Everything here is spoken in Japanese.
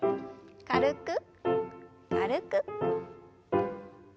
軽く軽く。